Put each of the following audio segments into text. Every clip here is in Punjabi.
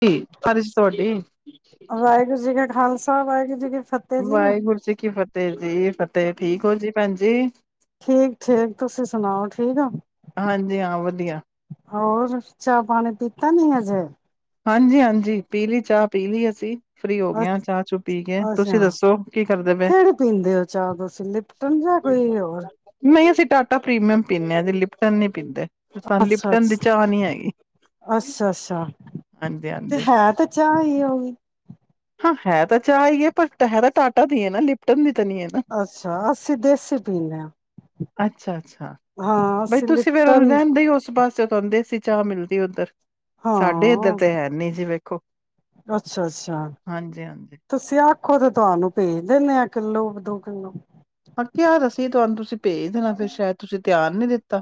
ਕੀ ਸਾਰੀ ਵਾਹਿਗੁਰੂ [unintelligible] ਜੀ ਕਾ ਖਾਲਸਾ ਵਾਹਿਗੁਰੂ ਜੀ ਕੀ ਫਤਿਹ ਜੀ ਵਾਹਿਗੁਰੂ ਜੀ ਕੀ ਫਤਿਹ ਜੀ ਤੇ ਠੀਕ ਹੋ ਜੀ ਭੈਣ ਜੀ ਠੀਕ ਠੀਕ ਤੁਸੀਂ ਸੁਣਾਓ ਠੀਕ ਹੋ ਹਾਂਜੀ ਹਾਂ ਵਧੀਆ ਹੋਰ ਚਾਹ ਪਾਣੀ ਪੀਤਾ ਨਹੀਂ ਹਜੇ ਹਾਂਜੀ ਹਾਂਜੀ ਪੀਲੀ ਚਾਹ ਪੀ ਲਈ ਅਸੀਂ ਫਰੀ ਹੋ ਗਿਆ ਚਾਹ ਚੂ ਪੀ ਕੇ ਅੱਛਾ ਤੁਸੀਂ ਦੱਸੋ ਕੀ ਕਰਦੇ ਪਏ ਕਿਹੜੀ ਪੀਂਦੇ ਹੋ ਚਾਹ ਤੁਸੀਂ ਲਿਪਟਨ ਜਾਂ ਕੋਈ ਹੋਰ ਨਹੀਂ ਅਸੀ ਟਾਟਾ ਪ੍ਰੀਮਅਮ ਪੀਂਦੇ ਆ ਦੀ ਲਿਪਟਨ ਨੀ ਪੀਂਦੇ। ਸਾਨੂੰ ਅੱਛਾ ਲਿਪਟਨ ਦੀ ਅੱਛਾ ਚਾਹ ਨੀ ਹੈਗੀ। ਅੱਛਾ ਅੱਛਾ ਹਾਂਜੀ ਤੇ ਹਾਂਜੀ ਹੈ ਤਾਂ ਚਾ ਈ ਕੀ ਓ ਹੀ ਹਾਂ ਹੈ ਤਾਂ ਚਾਹ ਹੀ ਹੈ ਪਰ ਹੈ ਤਾਂ ਟਾਟਾ ਦੀ ਹੈ ਨਾ ਲਿਪਟਨ ਦੀ ਤਾਂ ਨਹੀਂ ਹੈ ਨਾ ਅੱਛਾ, ਅਸੀਂ ਦੇਸੀ ਪੀਂਦੇ ਆ। ਅੱਛਾ-ਅੱਛਾ, ਬਈ ਅਸੀਂ ਤੁਸੀਂ ਫੇਰ ਉਹ ਲਿਪਟਨ ਰਹਿੰਦੇ ਉਸ ਪਾਸੇ ਹੁਣ ਦੇਸੀ ਚਾਹ ਮਿਲਦੀ ਉੱਧਰ ਹਾਂ ਸਾਡੇ ਇੱਧਰ ਤੇ ਹੈਨੀ ਜੀ ਵੇਖੋ। ਅੱਛਾ ਹਾਂਜੀ ਹਾਂਜੀ ਖ਼ੁਦ ਤੁਹਾਨੂੰ ਭੇਜ ਦਿੰਦੇ ਆਾਂ ਕਿੱਲੋ ਕ ਦੋ ਕਿੱਲੋ ਆਹ ਕਿਆ ਤਾਂ ਸੀ ਤੁਹਾਨੂੰ ਤੁਸੀਂ ਭੇਜ ਦੇਣਾ ਫਿਰ ਸ਼ਾਇਦ ਤੁਸੀਂ ਧਿਆਨ ਨੀ ਦਿੱਤਾ।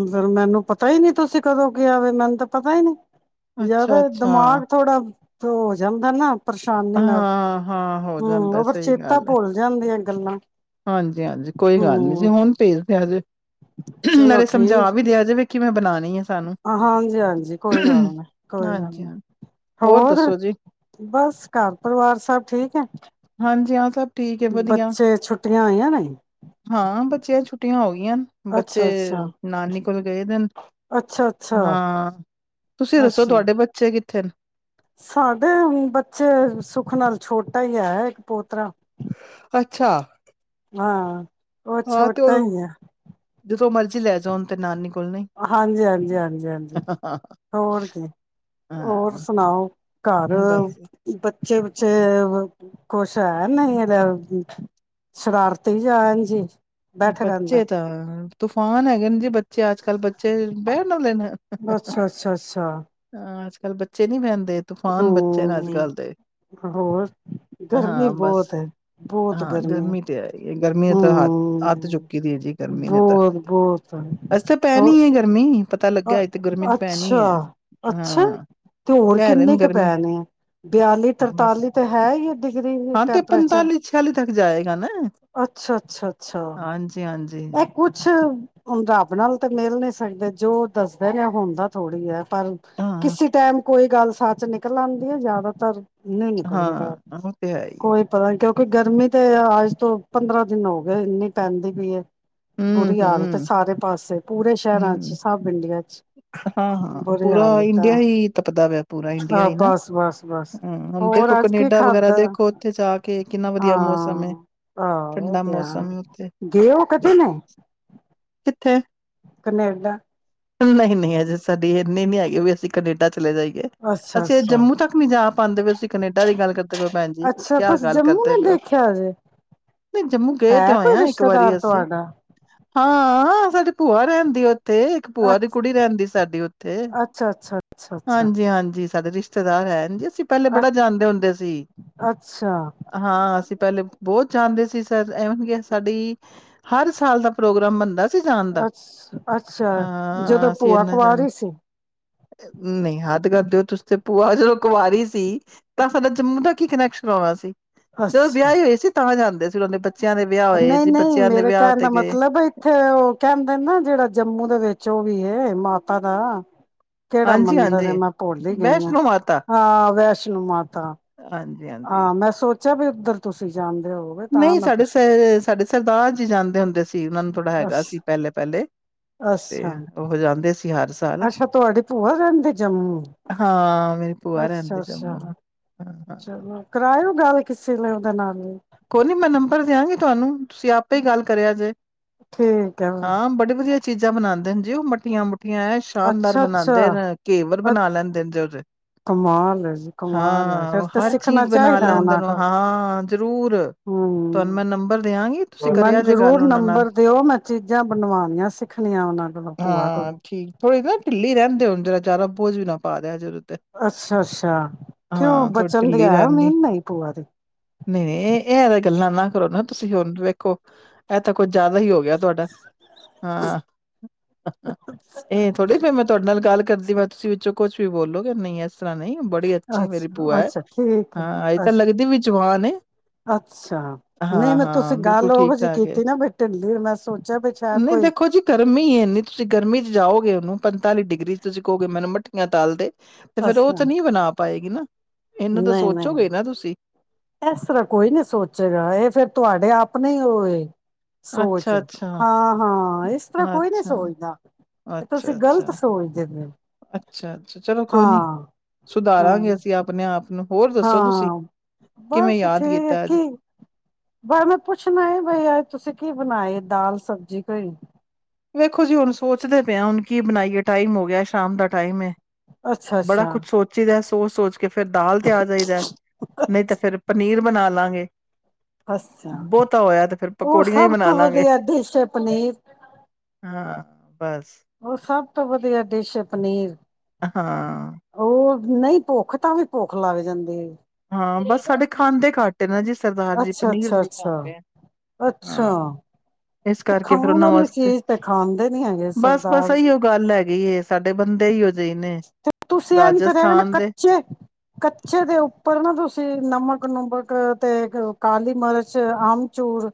ਉਧਰ ਮੈਨੂੰ ਪਤਾ ਹੀ ਨਹੀਂ ਤੁਸੀਂ ਕਦੋਂ ਕਿਆ ਵੇ ਮੈਨੂੰ ਤੇ ਪਤਾ ਹੀ ਨਹੀਂ ਜਿਆਦਾ ਅੱਛਾ-ਅੱਛਾ, ਦਿਮਾਗ ਥੋੜਾ ਤਾਂ ਹੋ ਜਾਂਦਾ ਨਾ ਪਰੇਸ਼ਾਨੀ ਨਾਲ, ਹਾਂ-ਹਾਂ ਹੋ ਹੂੰ ਜਾਂਦਾ ਉਹ ਫੇਰ ਸਹੀ ਚੇਤਾ ਗੱਲ ਐ। ਭੁੱਲ ਜਾਂਦੀਆਂ ਗੱਲਾਂ ਹਾਂਜੀ-ਹਾਂਜੀ ਕੋਈ ਗੱਲ ਨੀ ਜੀ ਹਮ ਹੁਣ ਭੇਜਦੇ ਆ ਹਜੇ ਨਾਲੇ ਸਮਝਾ ਵੀ ਦਿਆ ਜਾਵੇ ਕਿਵੇੈਂ ਬਣਾਣਾ ਹਾਂ ਹਾਂਜੀ-ਹਾਂਜੀ ਕੋਈ ਗੱਲ ਨੀ ਕੋਈ ਗੱਲ ਹਾਂਜੀ ਨੀ, ਹਾਂ। ਹੋਰ ਦੱਸੋ ਜੀ ਬਸ ਘਰ ਪਰਿਵਾਰ ਸਭ ਠੀਕ ਹੈ ਹਾਂਜੀ ਹਾਂ ਸਭ ਠੀਕ ਹੈ ਵਧੀਆ, ਬੱਚੇ ਛੁੱਟੀਆਂ ਹੋਈਆਂ ਨੇ ਹਾਂ ਬੱਚਿਆਂ ਛੁੱਟੀੀਆਂ ਟੀ ਆ ਹੋ ਗਈ ਟਿਆਂ ਨੇ, ਅੱਛਾ ਅੱਛਾ ਬੱਚੇ ਨਾਨੀ ਕੋਲ ਗਏ ਦੇ ਨੇ, ਅੱਛਾ ਅੱਛਾ ਹਾਂ ਤੁਸੀਂ ਦੱਸੋ ਅੱਛਾ ਤੁਹਾਡੇ ਬੱਚੇ ਕਿਥ ਥਿਰ ਸਾਡੇ ਬੱਚੇ ਸੁੱਖ ਨਾਲ ਛੋਟਾ ਹੀ ਹੈ ਇੱਕ ਪੋਤਰਾ ਅੱਛਾ ਹਾਂ। ਉਹ ਛੋਟਾ ਹੀ ਐ। ਤੋ ਮਰਜ਼ ਲੈ ਜਾਣ ਤੇ ਹੁਨ ਤੇ ਨਾਨੀ ਕੋਲ ਨਈ ਹਾਂਜੀ--ਹਾਂਜੀ ਹਾਂਜੀ--ਹਾਂਜੀ, ਹੋਰ ਕੀ, ਹੋਰ ਹਾਂ। ਸੁਣਾਓ ਘਰ ਬਸ ਬੱਚੇ ਬੱਚੇ ਕੁਛ ਹੈ ਨਹੀਂ ਇਹਦਾ ਸ਼ਰਾਰਤੀ ਜਾ ਐਂਜ ਈ ਬੈਠੇ ਰਹਿੰਦੇ ਬੱਚੇ ਤਾਂ ਤੂਫਾਨ ਹੈਗੇ ਨੇ ਜੀ ਬੱਚੇ ਅੱਜ ਕੱਲ੍ਹ ਬੱਚੇ ਬਹਿਣ ਨਾ ਦੇਣਾ ਅੱਛਾ ਅੱਛਾ ਅੱਛਾ ਕੱਲ ਬੱਚੇ ਨੀ ਬਹਿੰਦੇ ਤੂਫਾਨ ਬੱਚੇ ਨੇ ਅੱਜ ਹੂੰ ਕੱਲ੍ਹ ਦੇ ਹੋਰ ਗਰਮੀ ਹਾਂ ਬਸ ਬਹੁਤ ਹੈ ਬਹੁਤ ਹਾਂ ਗਰਮੀ ਤੇ ਹੈ ਹੀ ਹੈ, ਗਰਮੀ ਨੇ ਹੂੰ ਤਾਂ ਹੱਥ ਅੱਤ ਚੁੱਕੀ ਦੀ ਹੈ ਜੀ ਗਰਮੀ ਨੇ ਤਾਂ ਬਹੁਤ ਅਜੇ ਤਾਂ ਪੈਣੀ ਐ ਗਰਮੀ ਪਤਾ ਅ ਲੱਗਿਆ ਤੇ ਗਰਮੀ ਪੈਣੀ ਅੱਛਾ ਹੈ ਅੱਛਾ ਹਾਂ ਤੇ ਹੋਰ ਕਹਿ ਰਹੇ ਕਿੰਨੇ ਨੇ ਕੁ ਗਰਮੀ ਪੈਣੀ ਆ ਬਿਆਲੀ ਹਾਂ ਬਸ ਤਰਤਾਲੀ ਤੇ ਹੈ ਹੀ ਡਿਗਰੀ ਹਾਂ ਤੇ ਟੈਂਪਰੇਚਰ ਪੰਤਾਲੀ ਛਿਆਲੀ ਤੱਕ ਜਾਏਗਾ ਨਾ ਅੱਛਾ ਅੱਛਾ ਅੱਛਾ। ਜ ਇਹ ਕੁਛ ਹੁਣ ਰੱਬ ਨਾਲ ਤਾਂ ਮਿਲ ਨਹੀਂੀ ਸਕਦੇ ਜੋ ਦੱਸਦਾ ਨੇ ਹੁੰਣਦਾ ਥੋੜ੍ਹੀ ਹੈ ਪਰ ਹਾਂ ਕਿਸੇ ਟਾਈਮ ਕੋਈ ਗੱਲ ਸੱਚ ਨਿਕਲ ਆਉਂਦੀ ਹੈ ਜ਼ਿਆਦਾਤਰ ਨਹੀਂ ਨਿਕਲਦੇ ਬਾਹਰ ਹਾਂ ਉਹ ਤੇ ਹੈ ਹੀ ਕੋਈ ਪਤਾ ਨੀ ਕਿਉਂਕਿ ਗਰਮੀ ਤੇ ਅੱਜ ਤੋਂ ਪੰਦਰਾਂ ਦਿਨ ਹੋ ਗਏ ਇੰਨੀ ਪੈਂਦੀ ਪਈ ਹੈ। ਹਮ ਬੁਰੀ ਹਾਲਤ ਹਮ ਸਾਰੇ ਪਾਸੇ ਪੂਰੇ ਸ਼ਹਿਰਾਂ ਚ ਸਭ ਇੰਡੀਆ ਚ ਹਾਂ ਹਾਂ ਬੁਰੀ ਪੂਰਾ ਹਾਲਤ ਆ ਇੰਡੀਆ ਹੀ ਤਪਦਾ ਵਾ ਪੂਰਾ ਇੰਡੀਆ ਹਾਂ ਹੀ ਨਾ ਬਸ ਬਸ ਬਸ ਹੂੰ ਹੁਣ ਦੇਖੋ ਹੋਰ ਅੱਜ ਕੀ ਕਨੇਡਾ ਵਗੈਰਾ ਖਾਧਾ ਦੇਖੋ ਉੱਥੇ ਜਾ ਕੇ ਕਿੰਨਾ ਵਧੀਆ ਮੌਸਮ ਹੈ ਹਾਂ ਆਹੋ ਉਹ ਠੰਡਾ ਤੇ ਮੌਸਮ ਹੈ ਉੱਥੇ ਗਏ ਹੋ ਕਦੇ ਨੇ ਕਿੱਥੇ ਕਨੇਡਾ ਨਹੀਂ ਨਹੀਂ ਅਜੇ ਸਾਡੀ ਇੰਨੇ ਨੀ ਹੈ ਗੀ ਵੀ ਅਸੀਂ ਕੈਨੇਡਾ ਚਲੇ ਜਾਈਏ ਅੱਛਾ ਅਸੀਂ ਇਹ ਅੱਛਾ ਜੰਮੂ ਤੱਕ ਨਹੀਂ ਜਾ ਪਾਂਦੇ ਪਏ ਅਸੀਂ ਕਨੇਡਾ ਦੀ ਗੱਲ ਕਰਦੇ ਪਏ ਹੋ ਭੈਣ ਜੀ ਅੱਛਾ ਕਿਆ ਤੁਸੀ ਗੱਲ ਜੰਮੂ ਕਰਦੇ ਨੇ ਪਏ ਹੋ ਦੇਖਿਆ ਜੇ ਨਹੀਂ ਜੰਮੂ ਗਏ ਤੇ ਹੈ ਕੋਈ ਆਏਆ ਇੱਕ ਵਾਰੀ ਰਿਸ਼ਤੇਦਾਰ ਅਸੀਂ ਤੁਹਾਡਾ ਹਾਂ ਸਾਡੀ ਭੂਆ ਰਹਿੰਦੀ ਉੱਥੇ ਭੂਆ ਦੀ ਅੱਛ ਕੁੜੀ ਰਹਿੰਦੀ ਸਾਡੀ ਉੱਥੇ ਅੱਛਾ ਅੱਛਾ ਅੱਛਾ ਹਾਂਜੀ ਹਾਂਜੀ ਸਾਡੇ ਰਿਸ਼ਤੇਦਾਰ ਹੈ ਇੰਝ ਅਸੀਂ ਪਹਿਲੇ ਅੱਛਾ ਅ ਬੜਾ ਜਾਣਦੇ ਹੁੰਦੇ ਸੀ ਅੱਛਾ ਹਾਂ ਅਸੀਂ ਪਹਿਲੇ ਬਹੁਤ ਜਾਣਦੇ ਸੀ ਸਰ ਐਵੇਂ ਕਿਹਾ ਸਾਡੀ ਹਰ ਸਾਲ ਦਾ ਪ੍ਰੋਗਰਾਮ ਬਣਦਾ। ਸੀ ਜਾਣ ਦਾ। ਅੱਛ ਅੱਛਾ ਜਦੋਂ ਹਾਂ ਅਸੀਂ ਭੂਆ ਇਨਾ ਜਾਦੇ ਕੁਆਰੀ ਸੀ ਨਹੀਂ ਹੱਦ ਕਰ ਦਿਓ। ਤੇ ਭੂਆ ਜਦੋਂ ਕੁਵਾਰੀ ਸੀ ਤਾਂ ਸਾਡਾ ਜੰਮੂ ਦਾ ਕੀ ਕਨੈਕਸ਼ਨ ਆਣਾ ਸੀ ਜਦੋਂ ਅੱਛਾ ਵਿਆਹ ਹੀ ਹੋਏ ਸੀ ਤਾਂ ਜਾਂਦੇ ਸੀ ਉਹਨਾਂ ਦੇ ਬੱਚਿਆਂ ਦੇ ਵਿਆਹ ਹੋਏ ਨਹੀਂ ਜੀ ਨਹੀਂ ਬੱਚਿਆਂ ਦੇ ਮੇਰੇ ਵਿਆਹ ਕਹਿਣ ਤੇ ਦਾ ਗਏ। ਮਤਲਬ ਇੱਥੇ ਉਹ ਕਹਿੰਦੇ ਨਾ ਜਿਹੜਾ ਜੰਮੂ ਉਹਦੇ ਵਿੱਚ ਉਹ ਵੀ ਇਹ ਮਾਤਾ ਦਾ ਕਿਹੜਾ ਮੰਦਿਰ ਹਾਂਜੀ-ਹਾਂਜੀ, ਮੈਂ ਭੁੱਲ ਗਈ ਹਾਂ ਵੈਸ਼ਨੋ ਮਾਤਾ ਹਾਂ ਵੈਸ਼ਨੋ ਮਾਤਾ ਹਾਂਜੀ-ਹਾਂਜੀ। ਹਾਂ ਮੈਂ ਸੋਚ ਬੱਚਾ ਵੀ ਉੱਧਰ ਤੁਸੀਂ ਜਾਣਦੇ ਨਹੀਂ ਸਾਡੇ ਸਾਡੇ ਸਰਦਾਰ ਜੀ ਜਾਂਦੇ ਹੁੰਦੇ ਸੀ ਉਹਨਾਂ ਨੂੰ ਥੋੜ੍ਹਾ ਅੱਛ ਹੈਗਾ ਸੀ ਪਹਿਲੇ ਪਹਿਲੇ ਅੱਛਾ ਉਹ ਜਾਂਦੇ ਸੀ। ਹਰ ਸਾਲ। ਅੱਛਾ ਤੁਹਾਡੀ ਭੂਆ ਰਹਿੰਦੇ ਜੰਮੂ ਹਾਂ ਮੇਰੀ ਭੂਆ ਅੱਛਾ ਰਹਿੰਦੀ ਜੰਮੂ ਅੱਛਾ ਹਾਂ ਹਾਂ ਚਲੋ ਕਰਾਓ ਗੱਲ ਕਿਸੇ ਨੇ [unintelligible] ਕੋਈ ਨਹੀਂ ਮੈਂ ਨੰਬਰ ਦਿਆਂਗੀ ਤੁਹਾਨੂੰ ਤੁਸੀ ਆਪੇ ਗੱਲ ਕਰਿਆ ਜੇ ਠੀਕ ਹੈ ਆਮ ਬੜੇ ਵਧੀਆ ਚੀਜ਼ਾਂ ਬਣਾਦੇ ਹੁੰਦੇ ਉਹ ਮੱਠੀਆਂ ਮੁੱਠੀਆਂ ਸ਼ਾਨਦਾਰ ਅੱਛਾ-ਅੱਛਾ ਬਣਾਉਂਦੇ ਨੇ ਘੇਵਰ ਬ ਬਣਾ ਲੈਂਦੇ ਨੇ। ਕਮਾਲ ਹੈ ਜੀ ਕਮਾਲ ਹੈ ਹਾਂ ਫਿਰ ਉਹ ਤੇ ਹਰ ਸਿੱਖਣਾ ਚੀਜ਼ ਬਣਾ ਚਾਹੀਦਾ ਲੈਂਦੇ ਉਹਨਾਂ ਨੇ ਉਹ। ਕੋਲ। ਹਾਂ ਜ਼ਰੂਰ ਤੁਹਾਨੂੰ ਹੂੰ ਮੈਂ ਨੰਬਰ ਦਿਆਂਗੀ ਤੁਸੀਂ ਕਰਿਆ ਮੈਨੂੰ ਜੇ ਗੱਲ ਜ਼ਰੂਰ ਉਹਨਾਂ ਨਾਲ ਨੰਬਰ ਦਿਓ ਮੈਂ ਚੀਜ਼ਾਂ ਬਣਵਾਣੀਆਂ ਸਿੱਖਣੀਆਂ ਉਹਨਾਂ ਕੋਲੋਂ ਭੂਆ ਕੋਲੋ ਕਹਿੰਦੇ ਹੁੰਦੇ ਜਿਆਦਾ ਬੋਝ ਨਾ ਪਾ ਦਿਆ ਤੇ ਅੱਛਾ ਅੱਛਾ ਕਿਉ ਹਾਂ ਥੋੜੀ ਬਚਨ ਦੀ ਢਿੱਲੀ ਹੈ ਰਹਿਣ ਮਿਹਨ ਨਹੀਂ ਭੂਆ ਦੀ ਨਹੀਂ ਨਹੀਂ ਇਹ ਨਾ ਨਾ ਕਰੋ ਨਾ ਤੁਸੀਂ ਹੁਣ ਨੂੰ ਵੇਖੋ ਇਹ ਤਾਂ ਕੁਝ ਜ਼ਿਆਦਾ ਹੀ ਹੋ ਗਿਆ ਤੁਹਾਡਾ ਹਾਂ ਇਹ ਥੋੜ੍ਹੀ ਫੇਰ ਮੈਂ ਤੁਹਾਡੇ ਨਾਲ ਗੱਲ ਜਲਦੀ ਵਿਚ ਤੁਸੀਂ ਵਿੱਚੋਂ ਕੁਝ ਵੀ ਬੋਲੋਗੇ ਨਹੀਂ ਏਸ ਤਰ੍ਹਾ ਇਸ ਤਰ੍ਹਾਂ ਨਹੀਂ ਬੜੀ ਅੱਛੀ ਮੇਰੀ ਭੂਆ ਏ ਅੱਛਾ-ਅੱਛਾ ਠੀਕ ਹੈ ਅਜੇ ਤਾਂ ਅੱਛਾ ਲੱਗਦੀ ਵੀ ਜਵਾਨ ਏ ਅੱਛਾ ਨਹੀਂ ਹਾਂ, ਮੈਂ ਹਾਂ ਤੁਸੀਂ ਬਿਲਕੁਲ ਗੱਲ ਉਹੋ ਜਿਹੀ ਠੀਕ-ਠਾਕ ਏ। ਕੀਤੀ ਨਾ ਬੇਟੇ ਮੈਂ ਸੋਚ ਨਹੀਂ ਦੇਖੋ ਜੀ ਗਰਮੀ ਇਨੀ ਤੁਸੀਂ ਗਰਮੀ ਚ ਜਾਓਗੇ ਪੰਤਾਲੀ ਡਿਗਰੀ ਚ ਤੁਸੀਂ ਕਹੋਗੇ ਮੈਨੂੰ ਮੱਠੀਆਂ ਤਾਲ ਦੇ ਤੇ ਫਿਰ ਉਹ ਅੱਛਾ ਤਾਂ ਨਹੀਂ ਬਣਾ ਪਾਏਗੀ ਨਾ ਇਹਨਾਂ ਤਾ ਨਹੀਂ-ਨਹੀਂ ਸੋਚੋਗੇ ਨਾ ਤੁਸੀਂ ਇਸ ਤਰ੍ਹਾਂ ਕੋਈ ਨੀ ਸੋਚੇਗਾ ਇਹ ਫੇਰ ਤੁਹਾਡੇ ਆਪਣੇ ਨੀ ਓਏ ਸੋਚ ਅੱਛਾ-ਅੱਛਾ, ਹਾਂ ਹਾਂ ਇਸ ਤਰ੍ਹਾਂ ਕੋਈ ਨੀ ਅੱਛਾ, ਸੋਚਦਾ ਤੇ ਤੁਸੀਂ ਗ਼ਲਤ ਅੱਛਾ-ਅੱਛਾ, ਸੋਚ ਦਿੰਦੇ ਹੋ ਅੱਛਾ-ਅੱਛਾ ਚਲੋ ਕੋਈ ਨੀ ਹਾਂ ਹਾਂ ਸੁਧਾਰਾਂਗੇ ਅਸੀਂ ਆਪਣੇ ਆਪ ਨੂੰ ਹੋਰ ਦੱਸੋ ਤੁਸੀਂ ਹਾਂ ਕਿਵੇਂ ਬਸ ਠੀਕ ਯਾਦ ਹੈ ਕੀਤਾ ਅੱਜ? ਕੀ ਬਸ ਮੈਂ ਪੁੱਛਣਾ ਬਈ ਏ ਤੁਸੀਂ ਕੀ ਬਣਾਏ ਦਾਲ ਸਬਜ਼ੀ ਕੋਈ ਵੇਖੋ ਜੀ ਹੁਣ ਸੋਚਦੇ ਪਏ ਹੁਣ ਕੀ ਬਣਾਈਏ ਟਾਈਮ ਹੋ ਗਿਆ ਸ਼ਾਮ ਦਾ ਟਾਈਮ ਏ। ਅੱਛਾ ਬੜਾ ਅੱਛਾ ਕੁਝ ਸੋਚੀਦਾ ਸੀ। ਉਹ ਸੋਚ ਤੇ ਫਿਰ ਦਾਲ ਤੇ ਆ ਜਾਈਦਾ ਨਹੀਂ ਤਾਂ ਫਿਰ ਪਨੀਰ ਬਣਾਲਾਂਗੇ। ਅੱਛਾ, ਉਹ ਪਕੌੜੀਆਂ ਹੀ ਸਭ ਬਣਾ ਤੋਂ ਲਾਂਗੇ ਵਧੀਆ ਡਿਸ਼ ਹੈ ਪਨੀਰ। ਹਾਂ। ਬਸ ਉਹ ਸਭ ਸਭ ਤੋਂ ਵਧੀਆ ਡਿਸ਼ ਹੈ ਪਨੀਰ। ਹਾਂ। ਉਹ ਨਹੀਂ ਭੁੱਖ ਤਾਂ ਵੀ ਭੁੱਖ ਲੱਗ ਜਾਂਦੀ ਹੈ। ਹਾਂ, ਬਸ ਸਾਡੇ ਖਾਂਦੇ ਘੱਟ ਤੇ ਨਾ ਜੀ ਸਰਦਾਰ ਜੀ ਅੱਛਾ ਪਨੀਰ ਅੱਛਾ ਨੀ ਅੱਛਾ ਖਾਂਦੇ ਹਾਂ ਅੱਛਾ ਇਸ ਤੇ ਕਰਕੇ ਫਿਰ ਖਾਣ ਉਹਨਾਂ ਵਾਲੀ ਵਾਸਤੇ ਚੀਜ਼ ਤੇ ਖਾਂਦੇ ਨੀ ਹੈਗੇ ਬਸ ਬਸ ਸਰਦਾਰ ਇਹੀਓ ਗੱਲ ਹੈਗੀ। ਕੀ ਇਹ ਸਾਡੇ ਬੰਦੇ ਹੀ ਤੇ ਤੁਸੀਂ ਇਹ ਨੀ ਕਰਿਆ ਨਾ ਦੇ ਕੱਚੇ- ਕੱਚੇ ਦਿਓ। ਉੱਪਰ ਨਾ ਤੁਸੀਂ ਨਮਕ- ਨੂਮਕ ਤੇ ਕਾਲੀ ਮਿਰਚ, ਆਮਚੂੂਰ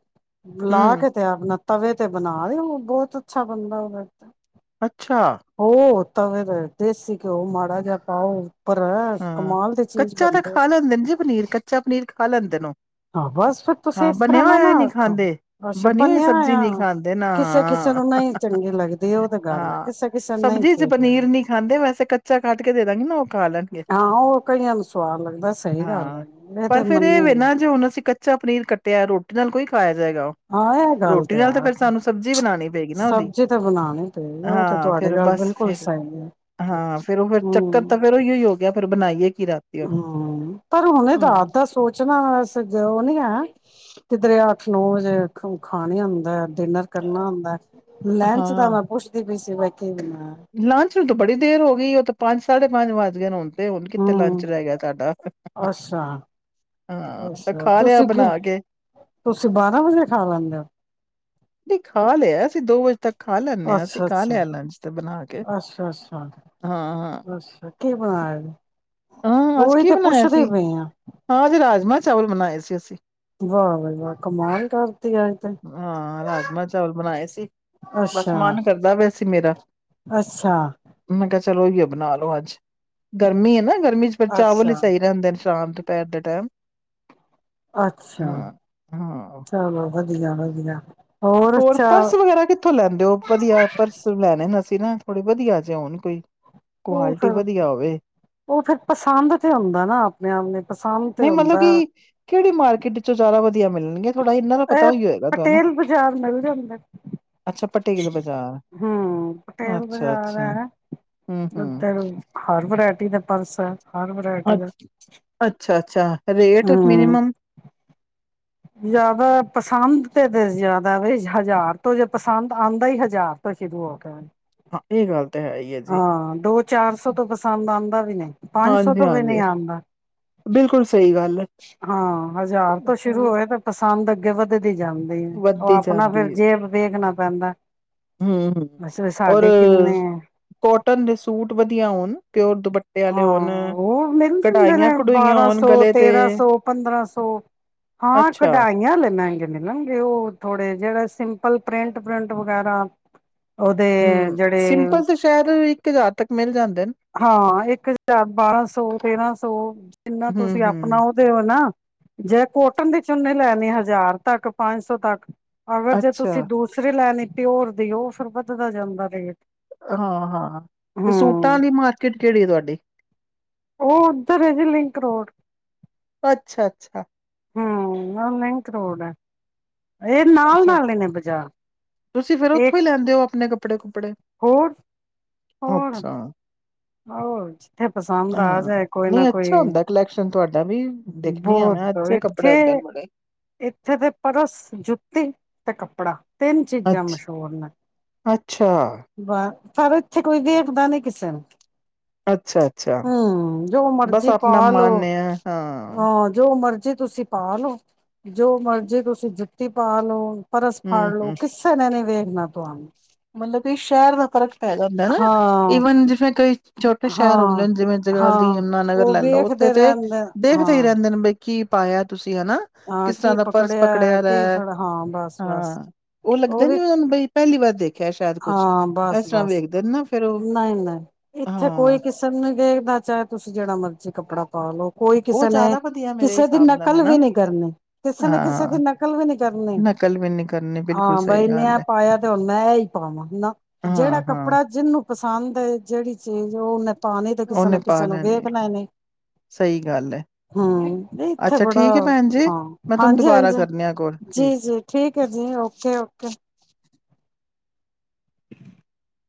ਲਾ ਹੂੰ ਕੇ ਤੇ ਆਪ ਨਾ ਤਵੇ ਤੇ ਬਣਾ ਦਿਓ ਬਹੁਤ ਅੱਛਾ ਬਣਦਾ ਉਹਦੇ ਤੇ। ਅੱਛਾ ਹੋ। ਤਾਂ ਫਿਰ ਦੇਸੀ ਘਿਓ ਮਾੜਾ ਜਿਹਾ ਪਾਓ। ਉੱਪਰ ਹਾਂ, ਕਮਾਲ ਦੀ ਚੀਜ਼ ਕੱਚਾ ਤਾਂ ਬਣਦੀ ਹੈ। ਖਾ ਲੈਂਦੇ ਨੇ ਜੇ ਪਨੀਰ ਕੱਚਾ ਪਨੀਰ ਖਾ ਲੈਂਦੇ ਤੈਨੂੰ। ਹਾਂ ਬਸ ਫਿਰ ਤੁਸੀਂ ਹਾਂ, ਇਸ ਬਣਿਆ ਤਰ੍ਹਾਂ ਨਾ ਹੋਇਆ ਨਾ ਨਹੀਂ ਆਖੋ ਖਾਂਦੇ ਅੱਛਾ ਬਣੀ ਹੋਈ ਬਣਿਆ ਸਬਜ਼ੀ ਨਹੀਂ ਹੋਇਆ। ਖਾਂਦੇ ਨਾ ਕਿਸੇ ਕਿਸੇ ਨੂੰ ਨਹੀਂ ਚੰਗੀ ਲੱਗਦੀ ਉਹ ਤੇ ਗੱਲ ਹੈ ਹਾਂ ਕਿਸੇ ਕਿਸੇ ਨੂੰ ਨਹੀਂ ਸਬਜ਼ੀ ਚ ਠੀਕ ਲੱਗਦੀ। ਪਨੀਰ ਨੀ ਖਾਂਦੇ ਵੈਸੇ ਕੱਚਾ ਕੱਟ ਕੇ ਦੇ ਦਾਂਗੇ ਨਾ ਉਹ ਖਾ ਲੈਣਗੇ। ਹਾਂ, ਉਹ ਕਈਆਂ ਨੂੰ ਸਵਾਦ ਲੱਗਦਾ ਸਹੀ ਗੱਲ ਹਾਂ ਇਹ ਪਰ ਤੇ ਫੇਰ ਮੰਨੇ ਵੇ ਆ। ਨਾ ਜੇ ਹੁਣ ਅਸੀਂ ਕੱਚਾ ਪਨੀਰ ਕੱਟਿਆ ਰੋਟੀ ਨਾਲ ਓਈ ਖਾਇਆ। ਹਾਂ ਇਹ ਗੱਲ ਰੋਟੀ ਤੇ ਨਾਲ ਤਾਂ ਆ ਫਿਰ ਸਾਨੂੰ ਸਬਜ਼ੀ ਬਣਾਣੀ ਪਏਗੀ ਨਾ ਉਹਦੀ ਸਬਜ਼ੀ ਤਾਂ ਬਣਾਉਣੀ ਪਏਗੀ ਉਹ ਤਾਂ ਹਾਂ ਤੁਹਾਡੀ ਫਿਰ ਗੱਲ ਬਸ ਬਿਲਕੁਲ ਫਿਰ ਸਹੀ ਹੈ ਹਾਂ ਫਿਰ ਉਹ ਫਿਰ ਚੱਕਰ ਤਾਂ ਫਿਰ ਉਹੀ ਹੋ ਫਿਰ ਬਣਾਈਏ ਕੀ ਰਾਤੀ ਹੁਣ ਹੂੰ, ਪਰ ਹੁਣ ਹਾਂ ਰਾਤ ਦਾ ਸੋਚਣਾ ਉਹ ਨੀ ਹੈ ਕਿ ਦਰਿਆ ਅੱਠ ਨੌ ਵਜੇ ਖਾ ਨੀ ਆਂਦਾ। ਡਿਨਰ ਕਰਨਾ ਹੁੰਦਾ ਲੈਂਚ ਤਾਂ ਹਾਂ ਮੈਂ ਪੁੱਛਦੀ ਬੀ ਸੀਵਾ ਇੱਕ ਲੰਚ ਨੂੰ ਤਾਂ ਬੜੀ ਦੇਰ ਹੋ ਗਈ ਉਹ ਤਾਂ ਪੰਜ ਸਾਢੇ ਪੰਜ ਵੱਜ ਗਏ ਨੇ ਹੁਣ ਤੇ ਹੁਣ ਕਿਥੇ ਲੰਚ ਹਮ ਰਹਿ ਗਿਆ ਸਾਡਾ ਅੱਛਾ ਹਾਂ ਤੇ ਅੱਛਾ ਖਾ ਲਿਆ ਤੁਸੀਂ ਕੀ ਬਣਾ ਕੇ। ਤੁਸੀਂ ਬਾਰਾਂ ਵਜੇ ਖਾ ਲੈਂਦੇ ਨਹੀਂ ਖਾ ਲਿਆ ਅਸੀਂ ਦੋ ਵਜੇ ਤੱਕ ਖਾ ਲੈਂਦੇ ਹੋ ਹਾਂ, ਅਸੀਂ ਅੱਛਾ ਖਾ ਅੱਛਾ ਲਿਆ ਲੰਚ ਤੇ ਬਣਾ ਕੇ ਅੱਛਾ ਹਾਂ-ਹਾਂ। ਕਿ ਬਾਰ ਹਾਂ ਅੱਜ ਕੀ ਬਣਾਇਆ ਸੀ ਹਾਂ ਅੱਜ ਰਾਜਮਾਂ ਚਾਵਲ ਬਣਾਏ ਜੀ ਅੱਸੀਂ ਵਾਹ ਬਈ ਵਾਹ ਕਮਾਲ ਕਰ ਹਾਂ ਰਾਜਮਾਂ ਚਾਵਲ ਬਣਾਏ ਸੀ ਬਸ ਅੱਛਾ ਮਨ ਕਰਦਾ ਪਿਆ ਸੀ ਮੇਰਾ ਅੱਛਾ ਮੈਂ ਕਿਹਾ ਚਲੋ ਔ ਹਿਯੋ ਬਣਾ ਲੋ ਅੱਜ ਗਰਮੀ ਹੈ ਨਾ ਗਰਮੀ ਗਰਮੀ ਪਰ ਚਾਵਲ ਹੀ ਅੱਛਾ ਚਾਹੀਦੇ ਹੁੰਦੇ ਹਨ ਸ਼ਾਮ ਦੁਪਹਿਰ ਦੇ ਟਾਈਮ ਅੱਛਾ ਹਾਂ ਹਾਂ ਚਲੋ ਵਦੀਆਂ ਤੇ ਜਾਣਾ ਸੀਗਾ ਹੋਰ ਪਰਸ ਵਗੈਰਾ ਕਿੱਥੋਂ ਲੈਂਦੇ ਹੋ ਵਧੀਆ ਪਰਸ ਲੈਣੇ ਨਾ ਅਸੀਂ ਏ ਨਾ ਥੋੜੇ ਵਧੀਆ ਚ ਹੋਉਣ ਕੋਈ ਉਹ ਕੁਆਲਿਟੀ ਫਿਰ ਵਧੀਆ ਹੋਵੇ ਉਹ ਫਿਰ ਪਸੰਦ ਤੇ ਹੁੰਦਾ ਨਾ ਆਪਣੇ ਆਪ ਨੇ ਪਸੰਦ ਤੇ ਨਹੀਂ ਮਤਲਬ ਹੁੰਦਾ ਕਿ ਕਿਹੜੀ ਮਾਰਕੀਟ ਚੋਂ ਜ਼ਿਆਦਾ ਵਧਦਿ ਆ ਵਦੀਆਂ ਮਿਲਣਗੀਆਂ ਥੋੜਾ ਇਹਨਾਂ ਦਾ ਪਤਾ ਇਹ ਹੀ ਹੋਏਗਾ ਤੁਹਾਨੂੰ ਪਟੇਲ ਬਾਜ਼ਾਰ ਮਿਲ ਜਾਂਦਾ ਅੱਛਾ ਪਟੇਲ ਬਾਜ਼ਾਰ ਹੂ ਪਟੇਲ ਅੱਛਾ ਬਾਜ਼ਾਰ ਅੱਛਾ ਹੈ ਹੂੰ ਹੂੰ ਉਧਰ ਹਰ ਵਰਾਇਟੀ ਦੇ ਪਰਸ ਹਾਂ [inaudible] ਹਰ ਅ ਵਰਾਇਟੀ ਦਾ, ਅੱਛਾ ਅੱਛਾ ਰੇਟ ਹੂ ਮਿਨੀਮਮ ਜ਼ਿਆਦਾ ਪਸੰਦ ਏ ਤੇ ਜ਼ਿਆਦਾ ਏ ਬਈ, ਹਜ਼ਾਰ ਤੋਂ ਜੇ ਪਸੰਦ ਆਉਂਦਾ ਹੀ ਹਜ਼ਾਰ ਤੋਂ ਸ਼ੁਰੂ ਹੋ ਕੇ ਹਾਂ ਇਹ ਗੱਲ ਤਾਂ ਹੈ ਹੀ ਹੈ ਜੀ ਹਾਂ ਦੋ ਚਾਰ ਸੌ ਤੋਂ ਪਸੰਦ ਆਉਂਦਾ ਵੀ ਨਹੀਂ ਪੰਜ ਸੌ ਹਾਂਜੀ ਤੋਂ ਵੀ ਨਹੀਂ ਹਾਂਜੀ ਆਉਂਦਾ ਬਿਲਕੁਲ ਸਹੀ ਗੱਲ ਹੈ ਹਾਂ ਹਜ਼ਾਰ ਤੋਂ ਸ਼ੁਰੂ ਹੋਏ ਤੇ ਪਸੰਦ ਕੇ ਵਦੇਨ ਤੇ ਜਾਂਦੀ, ਉਹ ਵੱਧਦੀ ਆਪਣਾ ਜਾਂਦੀ ਫਿਰ ਹੈ ਜੇਬ ਵੇਖ ਨਾਲ ਪੈਂਦਾ ਹੂੰ ਹੂੰ ਅਛੇ ਔਰ ਸਾਡੇ ਕਿੰਨੇ ਆ ਕੋਟਨ ਦੇ ਸੂਟ ਵਧੀਆ ਹੋਣ ਪਿਓਰ ਦੁਪੱਟੇ ਹਾਂ ਵਾਲੇ ਹੋਣ ਉਹ ਮਿਲ ਜਾਂਦੇ ਨੇ ਕਢਾਈਆਂ ਕਢੂਈਆਂ ਬਾਰਾਂ ਹੋਣ ਸੌ ਗਲੇ ਤੇ ਤੇਰਾਂ ਸੌ ਪੰਦਰਾਂ ਸੌ ਹਾਂ ਅੱਛਾ ਕਢਾਈਆਂੇ ਮਹਗੇ ਮਿਲਣਗੇ ਉਹ ਥੋੜੇ ਜਿਹੜੇ ਸਿੰਪਲ ਪਲ ਪ੍ਰੈਂਟ ਪਰਿੰਟ ਵਗੈਰਾ ਉਹਦੇ ਹੂੰ ਜਿਹੜੇ ਸਿੰਪਲ ਤੇ ਸ਼ਾਇਦ ਇੱਕ ਹਜ਼ਾਰ ਤੱਕ ਮਿਲ ਜਾਂਦੇ ਨੇ ਹਾਂ ਇੱਕ ਹਜ਼ਾਰ ਬਾਰਾਂ ਸੌ ਤੇਰਾਂ ਸੌ ਜਿੰਨਾ ਹੂੰ ਤੁਸੀਂ ਆਪਣਾ ਹੂੰ ਉਹਦੇ ਹੋ ਨਾ ਜੇ ਕੋਟਨ ਦੇ ਚੂਨੇ ਲੈਣੇ ਹਜ਼ਾਰ ਤੱਕ ਪੰਜ ਸੌ ਤੱਕ ਅਗਰ ਜੇ ਤੁਸੀਂ ਅੱਛਾ, ਦੂਸ ਲੈਣੇ ਪਿਓਰ ਦੀ ਉਹ ਫਿਰ ਵੱਧਦਾ ਜਾਂਦਾ ਰੇਟ ਹਾਂ ਹਾਂ ਤੇ ਹੂੰ ਸੂਟਾਂ ਲਈ ਮਾਰਕੀਟ ਕਿਹੜੀ ਹੈ ਤੁਹਾਡੀ ਉਹ ਉੱਧਰ ਹੈ ਜੀ ਲਿੰਕ ਰੋਡ ਅੱਛਾ ਅੱਛਾ ਹਮ ਉਹ ਕਰੋੜ ਆ ਅੱਛਾ-ਅੱਛਾ, ਤੁਸੀਂ ਫਿਰ ਇਹ ਉੱਥੋਂ ਹੀ ਲੈਂਦੇ ਔ ਆਪਣੇ ਕੱਪੜੇ-ਕੁਪੜੇ। ਹੋਰ। ਹੋਰ ਅੱਛਾ। ਹੋਰ। ਜਿੱਥੇ ਪਸੰਦ ਆ ਹਾਂ। ਜਾਏ ਕੋਈ ਨਾ ਨਹੀਂ ਕੋਈ, ਅੱਛਾ ਹੁੰਦਾ ਕਲੈਕਸ਼ਨ ਤੁਹਾਡਾ ਵੀ ਦੇਖਣੀ ਆ ਬਹੁਤ ਮੈਂ ਅੱਛੇ ਕੱਪੜੇ ਹੁੰਦੇ ਨੇ ਬੜੇ। ਇੱਥੇ-ਇੱਥੇ ਤੇ ਪਰਸ, ਜੁੱਤੀ ਤੇ ਕੱਪੜਾ ਤਿੰਨ ਚੀਜਾਂ ਅੱਛ ਮਸ਼ਹੂਰ ਨੇ, ਅੱਛਾ, [unintelligible] ਪਰ ਇੱਥੇ ਕੋਈ ਵੇਖਦਾ ਨਹੀਂ ਕਿਸੇ ਨੂੰ। ਅੱਛਾ-ਅੱਛਾ, ਹੂੰ ਜੋ ਬਸ ਮਰਜੀ ਆਪਣਾ ਪਾ ਲੋ ਮਨ ਹੈ, ਹਾਂ। ਜੇ ਤੁਸੀਂ ਪਾ ਲੋ, ਜੋ ਮਰਜ਼ੀ ਤੁਸੀਂ ਜੁੱਤੀ ਪਾ ਲੋ ਪਰਸ ਫਾੜ ਹੂੰ-ਹੂੰ। ਲੋੋ ਕਿਸੇ ਨੇ ਨੀ ਵੇਖ ਣਾ ਤੁਹਾਨੂੰ। ਮਤਲਬ ਕਿ ਸ਼ਹਿਰ ਦਾ ਫ਼ਰਕ ਪੈਦਾ ਜਾਂਦਾ ਏ ਨਾ ਹਾਂ ਈਵਨ ਜਿਵੇਂ ਕਈ ਛੋਟੇ ਸ਼ਹਿਰ ਹੁੰਦੇ ਹਾਂ ਨੇ, ਜਿਵੇਂ ਜਗਾਧਰੀ, ਹਾਂ ਯਮੁਨਾਨਗਰ ਉਹ ਲੈ ਲੋ ਉੱਥੇ ਵੇਖਦੇ ਤੇ ਰਹਿੰਦੇ ਦੇਖਦੇ ਹੀ ਹਾਂ ਰਹਿੰਦੇ ਨੇ ਬਈ ਕੀ ਪਾਇਆ ਤੁਸੀਂ। [unintelligible] ਹਨਾ ਹਾਂ ਕਿਸ ਤਰ੍ਹਾਂ ਕੀ ਦਾ ਪਰਸ ਪਕੜਿਆ ਰ ਕੀ ਹੈ, ਫੜ ਹਾਂ ਬਸ ਬਸ ਹਾਂ ਉਹ ਲੱਗਦਾ ਉਹਦੀ ਜਿਵੇਂ ਬਈ ਪਹਿਲੀ ਵਾਰ ਦੇਖਿਆ ਸ਼ਾਇਦ ਕੁਛ ਹਾਂ ਇਸ ਤਰ੍ਹਾਂ ਬਸ-ਬਸ, ਵੇਖਦੇ ਨੇ ਨਾ ਫੇਰ ਉਹ ਨਹੀਂ-ਨਹੀਂ, ਇੱਥੇ ਕੋਈ ਹਾਂ ਕਿਸੇ ਨੂੰ ਦੇੇਖਦਾ ਚਾਹੇ ਤੁਸੀਂ ਜਿਹੜਾ ਮਰਜੀ ਕੱਪੜਾ ਪਾ ਲੋ ਕੋਈ ਉਹ ਕਿਸੇ ਨੇ ਜ਼ਿਆਦਾ ਵਧੀਆ ਮੇਰੇ ਕਿਸੇ ਦੀ ਹਿਸਾਬ ਨਾਲ ਨਕਲ ਹਨਾ ਵੀ ਨੀ ਕਰਨੀ, ਕਿਸੇ ਨੇ ਕਿਸੇ ਦੀ ਹਾਂ ਨਕਲ ਵੀ ਨੀ ਕਰਨੀ, ਨਕਲ ਵੀ ਨੀ ਕਰਨੀ ਬਿਲਕੁਲ ਹਾਂ ਸਹੀ ਬਈ ਇਣੇ ਗੱਲ ਐ ਹੈ ਪਾਇਆ ਤੇ ਹੁਣ ਮੈਂ ਏਈ ਪਾਵਾਂ ਨਾ ਹਾਂ ਜਿਹੜਾ ਹਾਂ ਕੱਪੜਾ ਜਿਹਨੂੰ ਪਸੰਦ ਹੈ ਜਿਹੜੀ ਚੀ ਚੀਜ਼ ਉਹ ਮੈ ਪਾਣੀ ਤੇ ਕਿਸੇ ਉਹਨੇ ਨੇ ਪਾ ਕਿਸੇ ਨੂੰ ਵੇਖ ਲੈਣੇ ਲੈਣੀ ਸਹੀ ਗੱਲ ਹੈ। ਨਹੀਂ ਇੱਥੇ ਅੱਛਾ ਬੜਾ, ਠੀਕ ਹੈ ਭੈਣ ਜੀ ਹਾਂ ਮੈਂ ਤੁਹਾਨੂੰ ਦੁਬਾਰਾ ਹਾਂਜੀ-ਹਾਂਜੀ ਕਰਨੀ ਆ ਕੋਲ ਜੀ ਠੀਕ ਜੀ ਠੀਕ ਹੈ ਜੀ ਓਕੇ-ਓਕੇ। [inaudible]